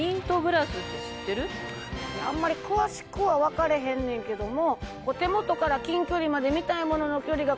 あんまり詳しくは分かれへんねんけども。